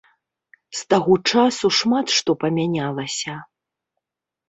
З таго часу шмат што памянялася.